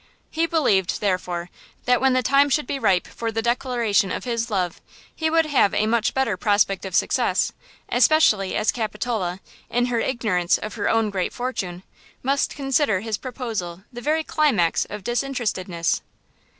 He believed, therefore, that, when the time should be ripe for the declaration of his love, he would have a much better prospect of success, especially as Capitola, in her ignorance of her own great fortune, must consider his proposal the very climax of disinterestedness.